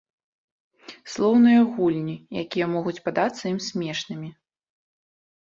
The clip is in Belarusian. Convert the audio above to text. Слоўныя гульні, якія могуць падацца ім смешнымі.